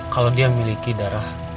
kalau dia miliki darah